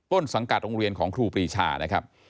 ต้นสังกัดโรงเรียนของครูปรีชานะครับ